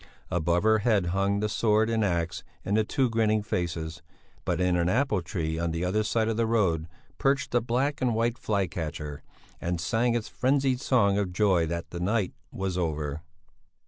Above her head hung the sword and the axe and the two grinning faces; but in an apple tree on the other side of the road perched a black and white fly catcher, and sang its frenzied song of joy that the night was over.